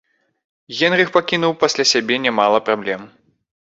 Генрых пакінуў пасля сябе нямала праблем.